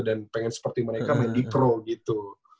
dan pengen seperti mereka main di pro gitu